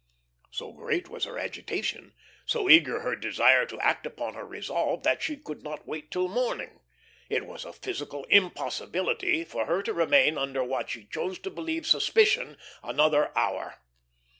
So great was her agitation, so eager her desire to act upon her resolve, that she could not wait till morning. It was a physical impossibility for her to remain under what she chose to believe suspicion another hour.